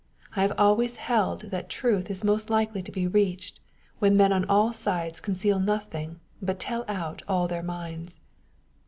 I have always held that truth is most likely to be reached, when men on all sides conceal nothing, but tell out aU their minds.